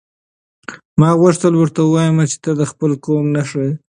ما غوښتل ورته ووایم چې ته د خپل قوم نښه یې.